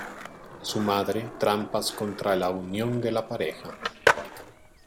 Su madre trampas contra la unión de la pareja.